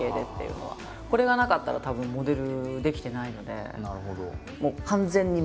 これがなかったらたぶんモデルできてないので。